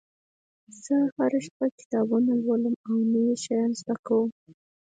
زه هره شپه کتابونه لولم او نوي شیان زده کوم